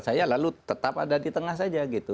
saya lalu tetap ada di tengah saja gitu